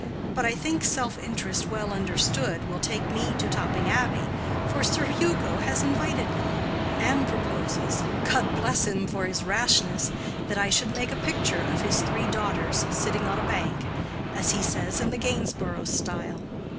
But I think self interest well understood will take me to Topping Abbey, for Sir Hugo has invited me, and proposes—God bless him for his rashness! —that I should make a picture of his three daughters sitting on a bank—as he says, in the Gainsborough style.